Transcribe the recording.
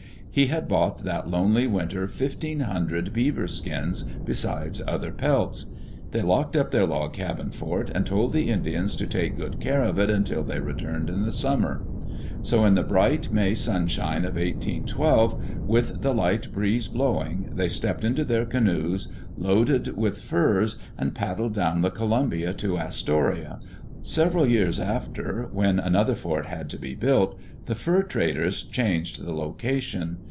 He had bought that lonely winter fifteen hundred beaver skins, besides other pelts. They locked up their log cabin fort, and told the Indians to take good care of it until they returned in the summer. So in the bright May sun ^ I Digitized by VjOOQ LC THAT "INDIAN'* THIEF shine of 1812, with the light breeze blowing, they stepped into their canoes, loaded with furs, and paddled down the Columbia to Astoria. Several years after, when another fort had to be built, the fur traders changed the location.